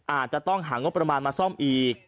อาจจะต้องหางบประมาณมาซ่อมอีก